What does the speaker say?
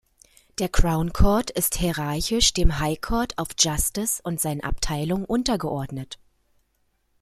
Der Crown Court ist hierarchisch dem "High Court of Justice" und seinen Abteilungen untergeordnet.